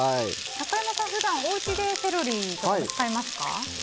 中山さん、普段お家でセロリ使いますか？